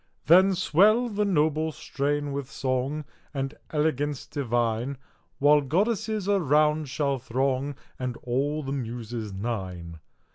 Then swell the noble strain with song, And elegance divine, While goddesses around shall throng, And all the muses nine.